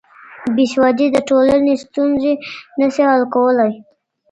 بېسوادي د ټولني ستونزې نه سي حل کولی.